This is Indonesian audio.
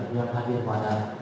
yang hadir pada